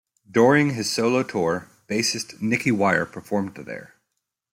During his solo tour, bassist Nicky Wire performed there.